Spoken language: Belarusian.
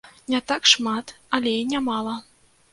Не так шмат, але і нямала!